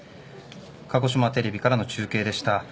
鹿児島テレビからの中継でした。